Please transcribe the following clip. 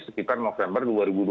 sekitar november dua ribu dua puluh